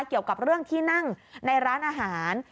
เกี่ยวกับเรื่องที่นั่งในร้านอาหาร